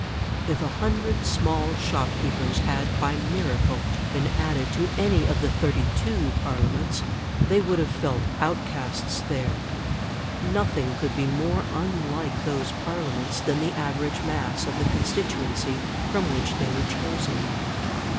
If a hundred small shopkeepers had by miracle been added to any of the '32 Parliaments, they would have felt outcasts there. Nothing could be more unlike those Parliaments than the average mass of the constituency from which they were chosen.